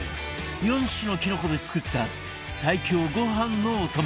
４種のきのこで作った最強ご飯のお供